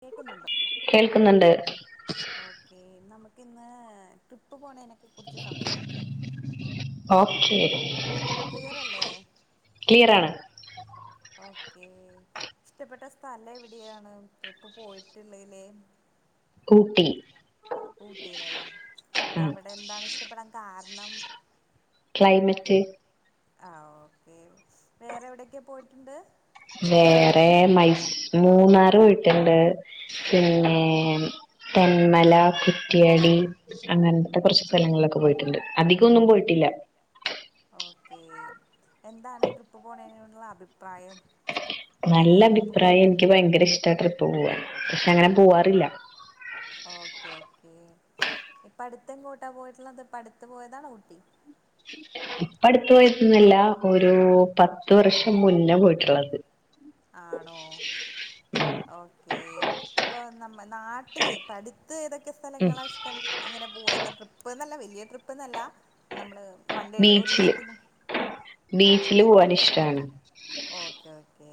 കേൾക്കുന്നുണ്ടോ കേൾക്കുന്നുണ്ട് ഓക്കേ നമുക്കിന്ന് ട്രിപ്പ് പോണേനെക്ക കുറിച്ച് സംസാരിക്കാ ഓക്കെ ക്ലിയറല്ലേ ക്ലിയറാണ് ഓക്കേ ഇഷ്ടപ്പെട്ട സ്ഥലം എവിടെയാണ് ട്രിപ്പ് പോയിട്ട്ള്ളേല് ഊട്ടി ഊട്ടിലാല്ലേ ഉം അവിടെ എന്താണ് ഇഷ്ടപ്പെടാൻ കാരണം ക്ലൈമെറ്റ് ആഹ് ഓക്കെ വേറെ എവിടൊക്കെ പോയിട്ടുണ്ട് വേറേ മൈസൂ മൂന്നാറ് പോയിട്ട്ണ്ട് പിന്നെ തെന്മല കുറ്റ്യാടി അങ്ങനത്തെ കൊറച്ച് സ്ഥലങ്ങളിലൊക്കെ പോയിട്ട്ണ്ട് അധികൊന്നും പോയ്ട്ടില്ല ഓക്കേ എന്താണ് ട്രിപ്പ് പോണേനോട്‌ള്ള അഭിപ്രായം നല്ല അഭിപ്രായ എനിക്ക് ഭയങ്കര ഇഷ്ട ട്രിപ്പ് പൂവാൻ പക്ഷെ അങ്ങനെ പൂവാറില്ല ഓക്കേ ഓക്കേ ഇപ്പ അടുത്തെങ്ങോട്ടാ പോയിട്ട്ള്ളത്ത് ഇപ്പ അടുത്ത് പോയതാണോ ഊട്ടി [inaudible] ഇപ്പ അടുത്ത് പോയിട്ട്ന്നല്ല ഒരു പത്ത് വർഷം മുന്നേ പോയിട്ട്ള്ളത് ആണോ ഓക്കേ ഇപ്പൊ ന പ്പ നാട്ടിലെ പ്പട്ത്ത് ഏതൊക്കെ ഉം സ്ഥലങ്ങളാ ഇഷ്ടം ഇങ്ങനെ പൂവാ ന്ന ട്രിപ്പ്ന്നല്ല വെല്ല്യ ട്രിപ്പ്ന്നല്ല പ്പം നമ്മള് വൺണ്ടേ ബീച്ചില് ഒരൂസ്ത്തിന് ബീച്ചില് ഓക്കെ പോവാൻ ഇഷ്ടാണ് ഓ ഓക്കെ ഓക്കേ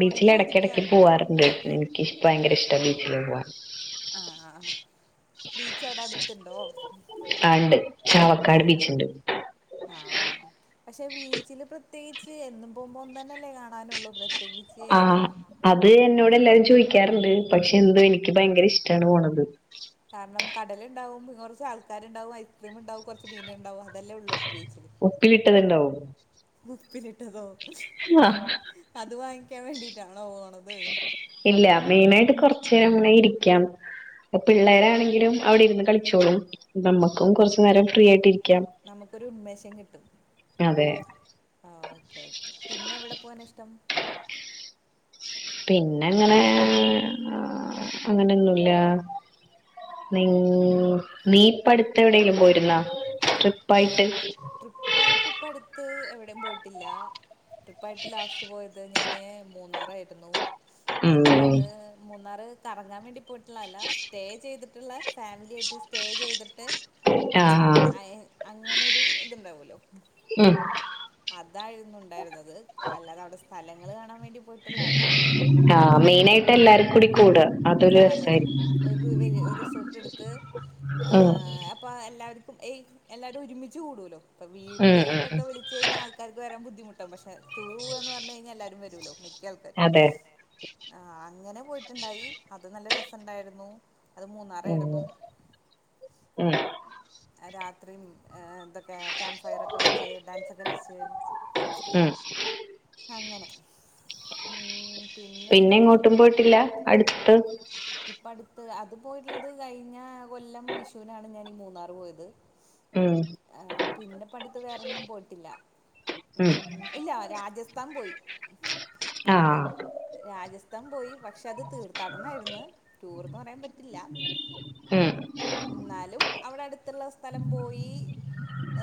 ബീച്ചില് എടക്കെടക്ക് പൂവാറ്ണ്ട് എനിക്ക് ഇഷ് ഭയങ്കര ഇഷ്ട ബീച്ചില് പൂവാൻ ആ ആ ആ ബീച്ച് അവ്ടെ അട്ത്ത്ണ്ടോ ആ ണ്ട് ചാവക്കാട് ബീച്ച് ണ്ട് ആണോ പക്ഷെ ബീച്ചില് പ്രത്യേകിച്ച് എന്നും പോമ്പോ ഒന്നന്നെല്ലേ കാണാനുള്ളൂ പ്ര ആ അത് എന്നോട് എല്ലാരും ചോയ്ക്കാറ്ണ്ട് പക്ഷെ എന്തോ എനിക്ക് ഭയങ്കര ഇഷ്ടാണ് പോണത് കാരണം കടല്ണ്ടാവും പിന്നെ കൊറച്ച് ആൾക്കാര്ണ്ടാവും ഐസ്ക്രീം ഇണ്ടാവും കൊറച്ച് മീന്ണ്ടാവും അതെല്ലേ ഉള്ളൂ ബീച്ചില് ഉപ്പിലിട്ടത് ണ്ടാവും ഉപ്പിലിട്ടതോ ആ അത് വാങ്ങിക്കാൻ വേണ്ടിട്ടാണോ പോണത് ഇല്ല മെയിനായിട്ട് കൊർച്ചേരം ഇങ്ങനെ ഇരിക്കാം പ്പ ആഹ് പിള്ളേരാണെങ്കിലും അവിടെ ഇരുന്ന് കളിച്ചോളും നമ്മക്കും കൊർച്ച് നേരം ഫ്രീയായിട്ട് ഇരിക്കാം നമുക്കൊരു ഉന്മേഷം കിട്ടും അതെ ആ ഓക്കെ ഓക്കെ പിന്നെ എവിടെ പോവനാ ഇഷ്ടം പിന്നെ ങ്ങനെ ആ അങ്ങനൊന്നുല്ല നിങ്ങ് നീ ഇപ്പടുത്ത് എവിടെലും പോയിരുന്നാ ഞാൻ ട്രിപ്പായിട്ട് ട്രിപ്പായിട്ട് ഇപ്പ അടുത്ത് എവിടേം പോയിട്ടില്ല ട്രിപ്പായിട്ട് ലാസ്റ്റ് പോയത് ഞാന് മൂന്നാറായിരുന്നു ഉം അത് മൂന്നാറ് കറങ്ങാൻ വേണ്ടി പോയിട്ട്ള്ളതല്ല സ്റ്റേ ചെയ്ത്ട്ട്ള്ള ഫാമിലി ആയിട്ട് സ്റ്റേ ചെയ്ത്ട്ട് ആഹ് ആഹ് അങ്ങനെ ഒരു ത്ണ്ടാവുലോ ഉം അതായിരുന്നു ഉണ്ടായിരുന്നത് അല്ലാതെ അവിടെ സ്ഥലങ്ങള് കാണാൻ വേണ്ടി പോയ്ട്ട്ള്ളതല്ല ആഹ് മെയിനായിട്ട് എല്ലാരും കൂടി കൂടാ അതൊരു ആ ആ അതെന്നെ രസായിരിക്കും ഒരു വെല്ല്യ റിസോർട്ട് ഇട്ത്ത് ആ ഉം അപ്പ എല്ലാവര്ക്കും ഏയ് എല്ലാരും ഒരുമിച്ച് കൂടുലോ പ്പൊ ഉം ഉം വീട്ടേൾക്കൊക്ക ഉം വിൾ ച്ച് യ്ഞ്ഞാ ആൾക്കാര്ക്ക്‌ വരാൻ ബുദ്ധിമുട്ടാവും പഷേ ടൂർ പൂവാന്ന് പറഞ്ഞ്ഴിഞ്ഞാ എല്ലാരും വരുല്ലോ മി ട്ടിൾക്കാരും അതെ ആ അങ്ങനെ പോയ്ട്ട്ണ്ടായി അത് നല്ല രസണ്ടായ്രുന്നു അത് ഉം മൂന്നറായിരുന്നു ഉം അത് രാത്രീം ആ തൊക്കെ കേമ്ഫയറൊക്കെ വെച്ച് ഡാൻസൊക്കളിച്ച്. ഉം. അങ്ങനെ ഉം. പിന്നെ ങ്ങോട്ടും പോയ്ട്ടില്ല അടുത്ത്. ഇപ്പട്ത്ത് അത് പോയ്ട്ട്ള്ളത് കഴിഞ്ഞ കൊല്ലം വിഷുനാണ് ഞാനി മൂന്നാറ് പോയത്. ഉം എ പിന്നെ പ്പട്ത്ത് വേറെന്നും പോയ്ട്ടില്ല ഉം ഇല്ല രാജസ് ത്താൻ പോയി. മറന്നുപോയി ആഹ്. രാജസ്ഥാൻ പോയി പക്ഷേ അത് തീർത്ഥാടനയ്ര്ന്ന് ടൂർന്ന് പറയാൻ പറ്റില്ല. ഉം. ന്നാലും അവ്ടെ അട്ത്ത്ള്ള സ്ഥലം പോയി.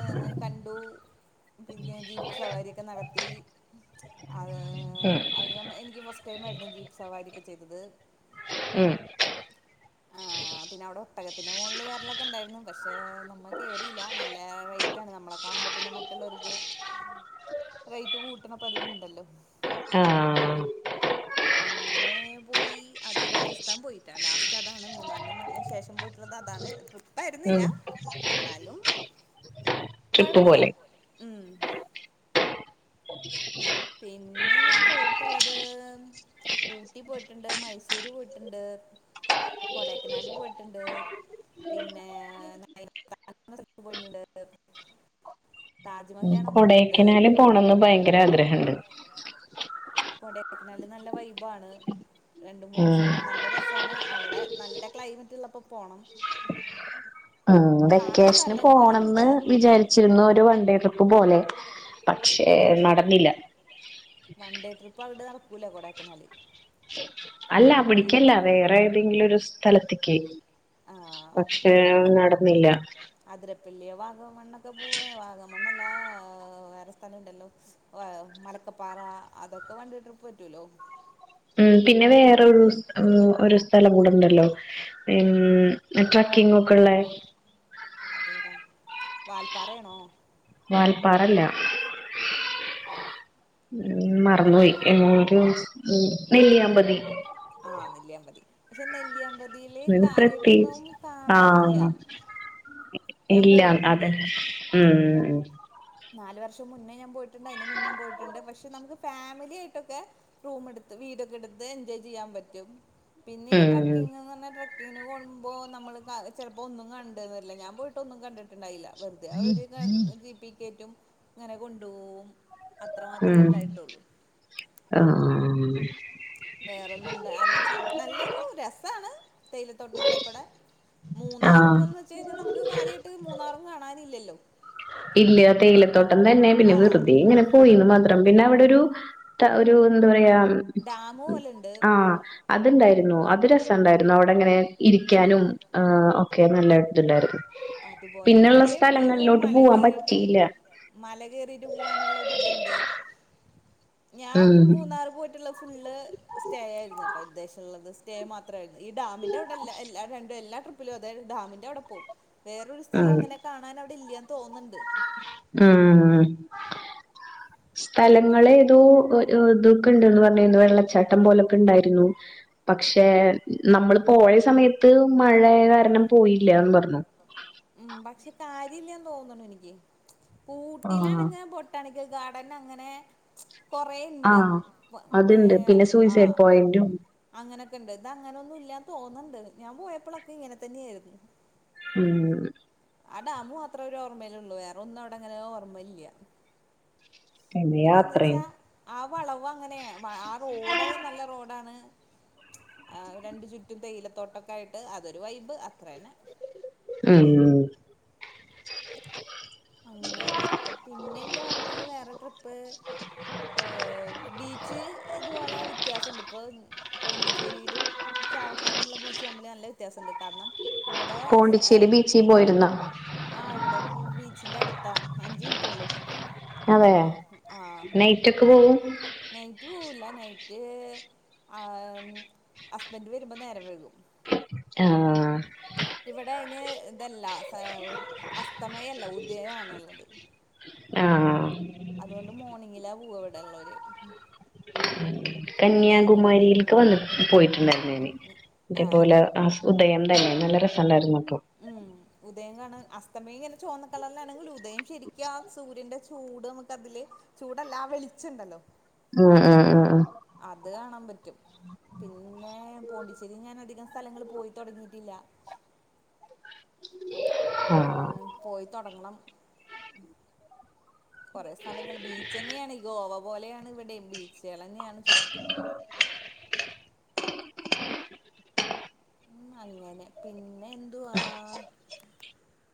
ഏ കണ്ടു പിന്നെ ജീപ്പ് സവാരിയൊക്കെ നടത്തി. അത് ഉം അത് നമ എനിക്ക് ഫസ്റ്റ് ടൈമായിരുന്നു ജീപ്പ് സവാരിക്കെ ചെയ്തത്. ഉം ആഹ് പിന്നെ അവടെ ഒട്ടകത്തിൻ്റെ മോളില് കേറലൊക്കെ ഒണ്ടായിരുന്നു പക്ഷെ നമ്മ കേറില്ല നല്ല റേറ്റ് ആണ് നമ്മളെ കാണുമ്പോൾ പിന്നെ മ റ്റുള്ളോർക്ക് റെയ്റ്റ് കൂട്ടണ പതിവുണ്ടല്ലോ? ആഹ് അങ്ങനെ പോയി അത് രാജസ്ഥാൻ പോയിട്ടാ ലാസ് റ്റ് അതാണ് മൂന്നാറിന്റെ ശേഷം പോയിട്ടുള്ളത് അതാണ് ട്രിപ്പ് ആയിരുന്നില്ല ഉം എന്നാലും ട്രിപ്പ് കൊഴപ്പില്ല പോലെ ഉം. [unintelligible] പിന്നെ ഞാൻ പോയിട്ടുള്ളത്. ഊട്ടി പോയിട്ടുണ്ട് മൈസൂര് പോയിട്ടുണ്ട് കൊടൈക്കനാലിൽ പോയിട്ടുണ്ട്. പിന്നെ [unintelligible] പോയിണ്ട്. താജ്മഹല് കൊടൈക്കനാല് പോണംന്ന് ഭയങ്കരാഗ്രഹ്ണ്ട്. കൊടൈക്കനാല് നല്ല വൈബാണ്. രണ്ടു മൂന്ന് ഉം ദിവസം നല്ല രസാണ് അവടെ നല്ല ക്ലൈമറ്റ് ഉള്ളപ്പോ പോണം. ഉം കാണാൻ വെക്കേഷന് പോണംന്ന് സ്ഥലങ്ങളുണ്ട് വിചാരി ച്ചിരുന്നു ഒരു വൺടേ ട്രിപ്പ് പോലെ പക്ഷേ നടന്നില്ല. വൺഡേ ട്രിപ്പ് ആയിട് നടക്കൂല കൊടൈക്കനാല്. അല്ല അവിടേക്കല്ല വേറെ ഏതെങ്കിലും ഒരു സ്ഥലത്തേക്ക്. ആഹ് പക്ഷെ നടന്നില്ല. അതിരപ്പള്ളിയൊ വാഗമണ്ണൊക്കെ പോവ വാഗമണ്ണല്ലാ വേറെ സ്ഥലോണ്ടല്ലോ. മലക്കപ്പാറ അതൊക്കെ വൺടേ ട്രിപ്പ് പറ്റൂലോ ഉം പിന്നെ വേറൊരു സ് ഒരു സ്ഥലം കൂടുണ്ടല്ലോ? ഉം ട്രക്കിങ്ങൊക്കെ ഉള്ളെ അതേതാ വാൽപറയാണോ? വാൽപ്പാറല്ല. ഉം മറന്ന് പോയി എരു നെല്ലിയാമ്പതി. ആഹ് നെല്ലിയാമ്പതി പക്ഷെ നെല്ലിയാമ്പ അത് പ്രതേകിച്ച് ആഹ്. ഞാൻ ഇല്ല അതെ പോയിട്ടുണ്ട് ഉം. നാല് വർഷം മുന്നേ ഞാൻ പോയിട്ടുണ്ട് അയിന് മുന്നേ പോയിട്ടുണ്ട് പ ഇപ്പം നമ്മക്ക് ഫാമിലി ആയിട്ടൊക്കെ റൂമ് എടുത്ത് വീടൊക്കെ എടുത്ത് എൻജോയ് ചെയ്യാൻ പറ്റും. പിന്നെ ഈ ഉം ട്രക്കിങ് എന്ന് [unintelligible] ഇതിന് പോകുമ്പോ നമ്മള് ചെലപ്പോ ഒന്നു കണ്ടുന്ന് വരില്ല ഞാൻ പോയിട്ടൊന്നും കണ്ടിട്ടുണ്ടായില്ല. വെറുതെ അവര് ജീപ്പിക്കേറ്റും ഇങ്ങനെ കൊണ്ടുപോവും. അത്ര മാത്രേ ഉം ഇണ്ടായിട്ടുള്ളൂ ആഹ് വേറൊന്നുണ്ട് അന്ന് വെച്ചാ നല്ലൊരു രസാണ് തേയിലത്തോട്ടത്തിന്റിടേകൂടെ. മൂന്നാർ ആഹ് പോവാന്ന് വെച്ച് കഴിഞ്ഞാ നമുക്ക് കാര്യമായിട്ട് മൂന്നാറും കാണാനില്ലല്ലോ ഇല്ല തേയിലത്തോട്ടം തന്നെ പിന്നെ ആഹ് വെറുതെ ഇങ്ങനെ പോയിന്ന് മാത്രം പിന്നെ അവിടൊരു ഒരു എന്താ പറയാ ഡാമ് പോലെണ്ട് ആഹ് അതുണ്ടായിരുന്നു അത് രസവുണ്ടായിരുന്നു അവിടെങ്ങനെ ഉം ഇരിക്കാനും ആഹ് ഒക്കെ നല്ലായിട്ടുണ്ടായിരുന്നു അതുപോലെ ഇവിടെയും ഒരു മല പോവാൻ കേറിയിട്ടും പറ്റിയില്ല മലകേറിയിട്ട് പോവാനുള്ള ഒരിതുണ്ട് ഞാൻ ഉം മൂന്നാറ് പോയിട്ടുള്ള സ് ഫുള്ള് സ്റ്റേ ആയിരുന്നു കേട്ടോ ഉദ്ദേശൊള്ളത് സ്റ്റേ മാ മാത്ര ഈ ഡാമിന്റെ അവിടെ എല്ല എല്ലാ രണ്ടും എല്ലാ ട്രിപ്പിലും അതായത് ഡാമിന്റവിടെ പോവും വേറൊരു സ്ഥലം ഉം അങ്ങനെ കാണാനവിടെ ഇല്യാന്ന് തോന്നുൻണ്ട് മ്മ്ഹ് ഈ സ്ഥലങ്ങളെതോ ക്ക്ണ്ട്ന്ന് പറഞ്ഞരുന്നു വെള്ളച്ചാട്ടം പോലൊക്കെ ഉണ്ടായിരുന്നു പക്ഷേ നമ്മള് പോയ സമയത്ത് മഴയെ കാരണം പോയില്ലന്ന് പറഞ്ഞു മ്മ്ഹ് പക്ഷെ കാര്യല്യാന്ന് തോന്നണു എനിക്ക് ആഹ് ഊട്ടിലാണിങ്ങ ബൊട്ടാണിക്കൽ ഗാർഡൻ അങ്ങനെ കൊറേയ്ണ്ട് ആഹ് അതുണ്ട് പിന്നെ സൂയിസൈഡ് ആഹ് പോയിന്റും അങ്ങനെയൊക്കെണ്ട് ഇത് 'അങ്ങനൊന്നും ഇല്ലാന്ന് തോന്നണ്ണ്ട് ഞാൻ പോയപ്പളൊക്കെ ഇങ്ങനെ തന്നെയായിരുന്നു മ്മ്ഹ് ആ ഡാമ് മാത്രേ ഒരു ഓർമേയിലുള്ളൂ വേറൊന്നും അവിടങ്ങനെ ഓർമ്മയിലില്ല പിന്നെ പിന്നെന്തച്ചാ യാത്രയും ആ വളവ് അങ്ങനെയാ ആ റോഡ് നല്ല റോഡാണ് രണ്ടു ചുറ്റും തേയില തോട്ടൊക്കെ ആയിട്ട് അതൊരു വൈബ് അത്ര തന്നെ ഉം അങ്ങനെ പിന്നെ എന്റെ ഓർമ്മയില് വേറെ ട്രിപ്പ് ഏഹ് ബീച്ച് ഇതുപോലെ വ്യത്യാസംണ്ട് ഇപ്പോ പോണ്ടിച്ചേരിയിലും ചാവക്കാടുള്ള ബീച്ച് തമ്മില് നല്ല വ്യത്യാസംണ്ട് കാരണം ഇവിടെ സ് പോണ്ടിച്ചേരി ബീച്ചിൽ പോയിരുന്നോ ആഹ് ഇവിടെ ബീച്ചിന്റെ അടുത്താ അഞ്ചു മിനിറ്റൊള്ളൂ അതെ ആഹ് നൈറ്റൊക്കെ പോകും നൈറ്റ് പോവുല്ല നൈറ്റ് ഹസ്ബൻഡ് വരുമ്പോ നേരം വൈകും ആ ഹ ഇവിടെ അതിന് ഇതല്ല സ അസ്തമയല്ല ഉദയാണുള്ളത് ആഹ് അതോണ്ട് മോർണിങ്ങിലാ പോവ ഇവിടെയുള്ളവര് കന്യാകുമാരിയിലേക്ക് വന്ന പോയിട്ടുണ്ടായിരുന്നെന് ആഹ് ഇതേപോലെ ഉദയം തന്നെ നല്ല രസണ്ടായിരുന്നപ്പം ഉം ഉദയം കാണൻ അസ്തമയും ഇങ്ങനെ ചുവന്ന കള്ളറിലാണെങ്കില ഉദയം ശരിക്ക ആ സൂര്യന്റെ ചൂട് നമുക്ക് അതില് ചൂടല്ലാ വെളിച്ചണ്ടല്ലോ ആ ആ ആ ആ അത് കാണാൻ പറ്റും പിന്നെ പോണ്ടിച്ചേരി ഞാൻ അധികം സ്ഥലങ്ങൾ പോയി തുടങ്ങിയിട്ടില്ല ആഹ ഉം പോയി തൊടങ്ങണം കുറെ സ്ഥലങ്ങള് ബീച്ച് തന്നെയാണ് ഗോവ പോലെയാണ് ഇവിടെയും ബീച്ചുകൾ തന്നെയാണ് ചുറ്റും മ്മ്ഹ് അങ്ങനെ പിന്നെ എന്തുവാ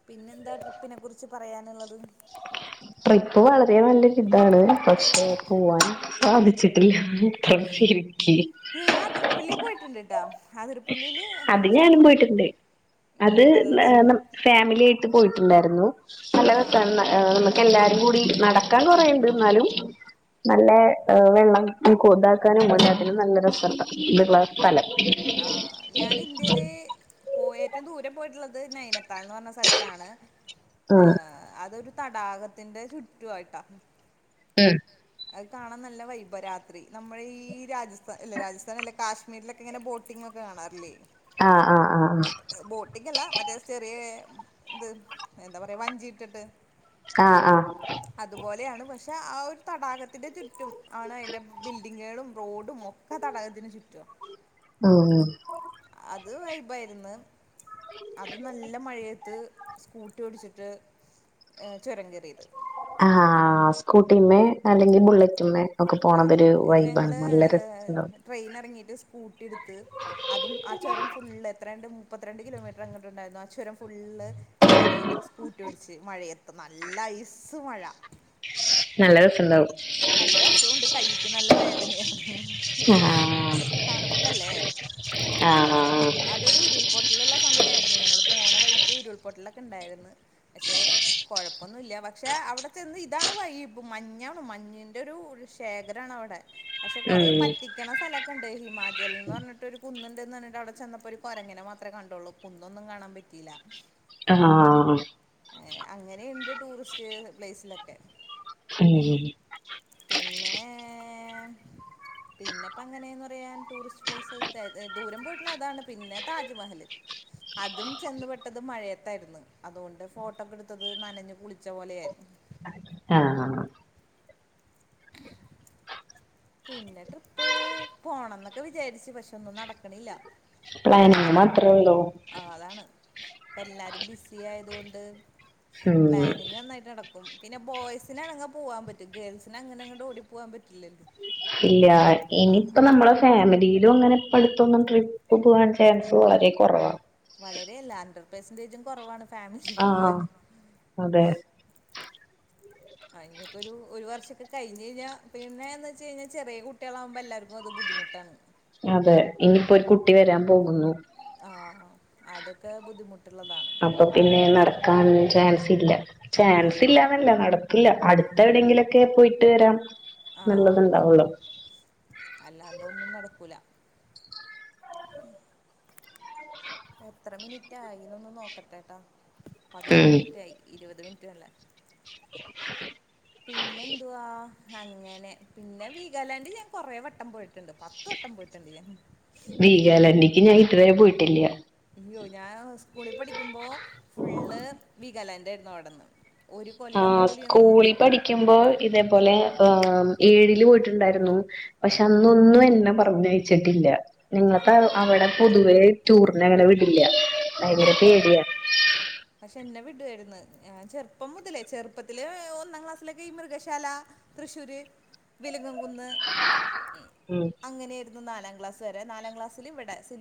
പിന്നെന്താ ട്രിപ്പിനെ കുറിച്ച് പറയാനുള്ളത് ട്രിപ്പ് വളരെ നല്ലൊരു ഇതാണ് പക്ഷെ പോവാൻ സാധിച്ചിട്ടില്ല ഞാൻ അതിരപ്പള്ളി പോയിട്ടുണ്ട് ട്ടാ അതിരപ്പള്ളിയില് അത് ഞാനും സൂപ്പറാ പോയിട്ടുണ്ട് ഉം അത് വെള്ളച്ച ഫാമിലി ആയിട്ട് പോയിട്ടുണ്ടായിരുന്നു നല്ല ആഹ് രസണ്ടാർന്നു ആഹ് നമുക്ക് എല്ലാരും കൂടി നടക്കാൻ കുറേയിണ്ട് എന്നാലും നല്ല വെള്ളം കൊ താക്കാനും [unintelligible] ഇതുള്ള സ്ഥലം ആഹ് ഞാൻ ഇന്ത്യയില് പോ ഏറ്റവും ദൂരം പോയിട്ടുള്ളത് നൈനത്താൽ എന്ന് പറഞ്ഞ സ്ഥലത്താണ് ഏ ഉം അതൊരു തടാകത്തിന്റെ ചുറ്റു ആയിട്ടാ ഉം അത് കാണാൻ നല്ല വൈബരാത്രി നമ്മൾ ഈ രാജസ്ഥാൻ അല്ല രാജസ്ഥാൻ അല്ല കാശ്മീർ മിഡ്ലൊക്കെങ്ങെനെ ബോട്ടിംഗ് ഒക്കെ കാണാറില്ലേ. ആഹ് ആഹ് ആഹ് ആഹ് ബോട്ടിങ് അല്ല മറ്റേ ചെറിയ ഇത് എന്താ പറയാ വഞ്ചി ഇട്ടിട്ട് ആഹ് ആഹ് അതുപോലെയാണ് പക്ഷെ ആ ഒരു തടാകത്തിന്റെ ചുറ്റും ആണ് അതിൻ്റെ ബിൽഡിങ്ങേളും റോഡും ഒക്കാ തടകത്തിന് ചുറ്റുവാ. ആഹ് അത് വൈബായിര്ന്ന് അതും നല്ല മഴയെത്ത് സ്കൂട്ടി ഓടിച്ചിട്ട് ചുരം കേറിയത്. ആഹ് സ്കൂട്ടിമ്മേ അല്ലെങ്കി ബുള്ളറ്റ്മ്മേ ഒക്കെ ആ പോണതൊരു വൈബാണ്. നല്ല രസ്സള്ള ട്രെയിനെർങ്ങീട്ട് സ്കൂട്ടി ട്ത്ത് അതും ആ ചുരം ഫുള്ള്, എത്രണ്ട് മുപ്പത്തിരണ്ട് കിലോമീറ്റർ അങ്ങട്ടുണ്ടായിരുന്നു ആ ചുരം ഫുള്ള് ഞാന് സ്കൂട്ട്യോടിച്ച്, മഴയത്ത്, നല്ല ഐസ് മഴ. നല്ല രസ ണ്ടാവും. നല്ല രസവൂണ്ട് കയ്യ്ക്ക് നല്ല വേദനയാണ്. ആഹ് തണുപ്പല്ലേ ആഹ് ആഹ് പൊട്ടല്ള്ള സമയായ്രുന്നു ഞങ്ങള് പോണ വഴിക്ക് ഉരുൾപൊട്ടലൊക്കെ ഉണ്ടായിര്ന്ന്. പക്ഷെ കുഴപ്പൊന്നുല്ല. പക്ഷെ അവിടെ ചെന്ന് ഇതാണ് വൈബ് മഞ്ഞാണ് മഞ്ഞ് ൻ്റൊരു ശേഖരാണ് അവടെ. പക്ഷെ കൊറേ ഉം പറ്റി ക്കണ സ്ഥലൊക്കെണ്ട്. ഹിമാചൽ ന്ന് പർഞ്ഞിട്ട് ഒരു കുന്നുണ്ട്ന്ന് പർഞ്ഞിട്ട് അവിടെ ചെന്നപ്പോ ഒരു കൊരങ്ങെനെ മാത്രേ കണ്ടോള്ളു. കുന്നൊന്നും കാണാൻ പറ്റീല്ല. അഹാ. അങ്ങനെ അങ്ങനെയുണ്ട് ടൂറിസ്റ്റ് പ്ലേസിലൊക്കെ. ഉം പിന്നേ പിന്നെപ്പ അങ്ങനേന്ന് പറയാൻ ടൂറിസ്റ്റ് പ്ലേസ് തെ ദൂരം പോയിട്ടുള്ള അതാണ് പിന്നെ താജ്മഹൽ. അതും ചെന്ന് പെട്ടത് മഴയത്തായിര്ന്ന്. അതുകൊണ്ട് ഫോട്ടൊക്ക്ട്ത്തത് നനഞ്ഞു കുളിച്ച പോലെ ആയിരുന്നു. ആഹാ. പിന്നെ ട്രിപ്പ് പോണംന്നൊക്കെ വിചാരിച്ച് പക്ഷെ ഒന്നും നടക്ക്ണില്ല. ഇബളെ ഞാൻ മാത്രേ ള്ളോ. അതാണ് ഇപ്പ എല്ലാരും ബിസി ആയതോണ്ട് ഉം പ്ലാനിങ് നന്നായിട്ട് നടക്കും. പിന്നെ ബോയ്സിനാണങ്ങെ പോവാൻ പറ്റും ഗേൾസിന് അങ്ങനെങ്ങട് ഓടി പോവാൻ പറ്റില്ലല്ലോ. ഇല്ല്യാ. ഇനിപ്പ നമ്മളെ ഫാമിലീലും അങ്ങനെ ഇപ്പടുത്തൊന്നും ട്രിപ്പ് പോവാൻ ചാൻസ് വളരെ കൊറവാ. വളരെ അല്ല ഹൺഡ്രഡ് പെർസെന്റേജും കൊറവാണ്. ആഹ് അതെ. അയിഞ്ഞൊക്കൊരു ഒരു വർഷൊക്കെ കഴിഞഴിഞ്ഞാ പിന്നേന്നെച്ചഴിഞ്ഞാ ചെറിയ കുട്ടികളാവുമ്പെല്ലാര്ക്കും അത് ബുദ്ധിമു ട്ടാണ്. അതെ ഇനിയിപ്പോ ഒരു കുട്ടി വരാൻ പോകുന്നു. ആഹ് അതൊക്കെ ബുദ്ധിമുട്ട്ള്ളതാണ്. അപ്പൊ പിന്നെ നടക്കാൻ ചാൻസില്ല. ചാൻസില്ലാന്നല്ല നടക്കില്ല. അടുത്ത എവിടെയെങ്കിലൊക്കെ പോയിട്ട് വരാം. ആഹ് നല്ലതുണ്ടാവുള്ളൂ അല്ലാണ്ടൊന്നും നടക്കൂല. എത്ര മിൻറ്റായി ന്നൊന്ന് നോക്കട്ടെട്ടോ പതിനൊന്ന് ഉം മിൻറ്റായി ഇരുപത് മിൻറ്റു അല്ല പിന്നെന്തുവാ അങ്ങനെ പിന്നെ വീഗാലാൻഡ് ഞാൻ കൊറെ വട്ടം പോയിട്ട്ണ്ട് പത് ത്ത് വട്ടം പോയിട്ട്ണ്ട് ഞാൻ വീഗാലാന്റിക്ക്‌ ഞാൻ ഇതുവരെ പോയിട്ടില്ല അയ്യോ ഞാൻ സ്കൂളി പഠിക്കുമ്പോ ഫുള്ള് വീഗാലാന്റായിരുന്നു അവ്ട്ന്ന് ആഹ് സ്കൂളി പഠിക്കുമ്പോ ഇതേപോലെ ആ ഏഴില് വിട്ട്ണ്ടായ്ര്ന്നു പക്ഷെ അന്നൊന്നും എന്നെ പറഞ്ഞയച്ചിട്ടില്ല ആ നിങ്ങള്ത്ത അവടെ പൊതുവേ ടൂറിനങ്ങനെ വിടില്ല ഭയങ്കര ആഹ് പേടിയാ പക്ഷെ എന്നെ വിടുവേര്ന്ന് ഞാൻ ചെർപ്പം മുതലേ ചെർപ്പത്തില് ഒന്നാം ക്ലാസ്സിലൊക്കീ മൃഗശാല തൃശ്ശൂര്, വിലങ്ങൻകുന്ന് ഉം ഉം അങ്ങനെര്ന്നു നാലാം ക്ലാസ്സ് വരെ നാലാം ക്ലാസ്സില് ഇവടെ സില്